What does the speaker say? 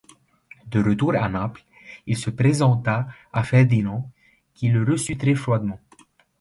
De retour à Naples, il se présenta à Ferdinand, qui le reçut très froidement.